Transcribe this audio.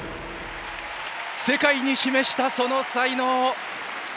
世界に示した、その才能。